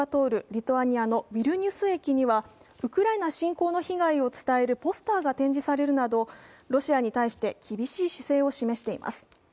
リトアニアのヴィリニュス駅にはウクライナ侵攻の被害を伝えるポスターを展示するなどロシアに対して厳しい姿勢を示しています。